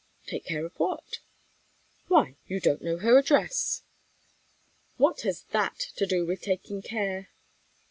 "Take care of what?" "Why, you don't know her address." "What has that to do with taking care?"